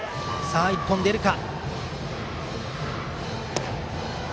１本出るか。